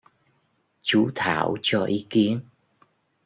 Chú Thảo cho ý kiến